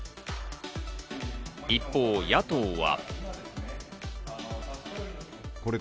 一方、野党は。